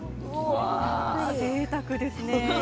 ぜいたくですね。